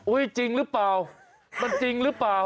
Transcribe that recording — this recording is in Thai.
จริงหรือเปล่ามันจริงหรือเปล่า